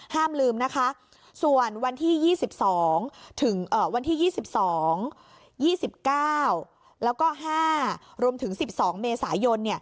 ห้ามลืมนะคะส่วนวันที่๒๒๒๙แล้วก็๕รวมถึง๑๒เมษายน